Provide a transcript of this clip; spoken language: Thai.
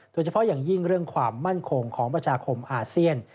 โดยเฉพาะอย่างยิ่งเรื่องความมั่นคงของประชาคมอาเซียน